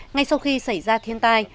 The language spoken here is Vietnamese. ngay sau khi xảy ra thiên tai